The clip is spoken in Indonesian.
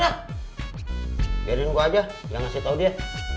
aja ajah ya ngasih tau dia